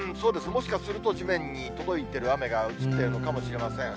もしかすると、地面に届いている雨が映ってるのかもしれません。